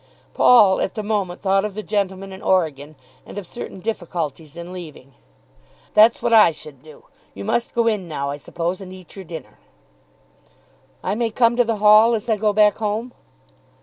Paul at the moment thought of the gentleman in Oregon, and of certain difficulties in leaving. "That's what I should do. You must go in now, I suppose, and eat your dinner." "I may come to the hall as I go back home?"